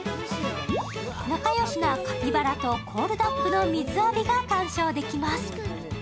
仲良しなカピバラとコールダックの水浴びが観賞できます。